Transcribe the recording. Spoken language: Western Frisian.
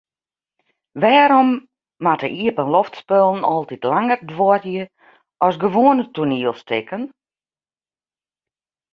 Wêrom moatte iepenloftspullen altyd langer duorje as gewoane toanielstikken?